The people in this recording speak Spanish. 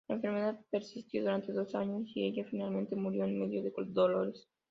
La enfermedad persistió durante dos años y ella finalmente murió en medio de dolores.